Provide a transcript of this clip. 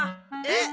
えっ？